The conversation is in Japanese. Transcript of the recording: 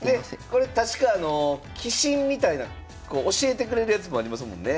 これ確か棋神みたいなこう教えてくれるやつもありますもんね。